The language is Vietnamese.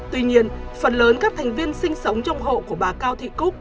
tuy nhiên phần lớn các thành viên sinh sống trong hộ của bà cao thị cúc